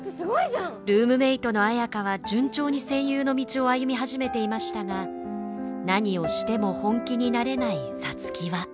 ルームメートの綾花は順調に声優の道を歩み始めていましたが何をしても本気になれない皐月は。